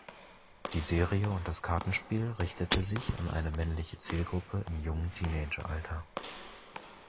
Die Serie und das Kartenspiel richtete sich an eine männliche Zielgruppe im jungen Teenageralter.